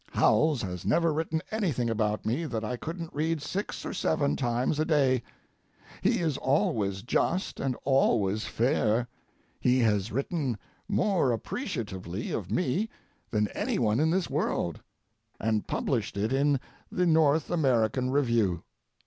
Howells has never written anything about me that I couldn't read six or seven times a day; he is always just and always fair; he has written more appreciatively of me than any one in this world, and published it in the North American Review.